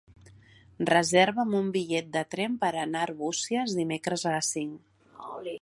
Reserva'm un bitllet de tren per anar a Arbúcies dimecres a les cinc.